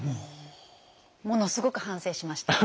ものすごく反省しました。